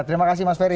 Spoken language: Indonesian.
terima kasih mas ferry